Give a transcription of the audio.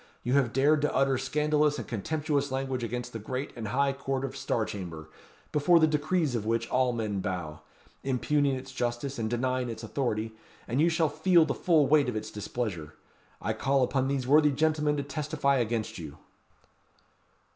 You have dared to utter scandalous and contemptuous language against the great and high court of Star Chamber, before the decrees of which, all men bow; impugning its justice and denying its authority; and you shall feel the full weight of its displeasure. I call upon these worthy gentlemen to testify against you."